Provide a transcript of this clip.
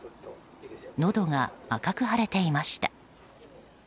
のどが赤く腫れていました。